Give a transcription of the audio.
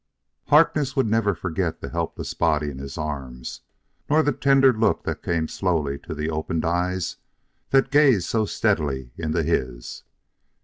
_" Harkness would never forget the helpless body in his arms, nor the tender look that came slowly to the opened eyes that gazed so steadily into his.